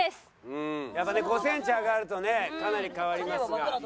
やっぱね５センチ上がるとねかなり変わりますが。